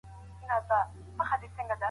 د بهرنیو اړیکو مدیریت کي ستونزي نه سته.